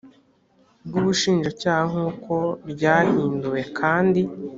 bw ubushinjacyaha nk uko ryahinduwe kandi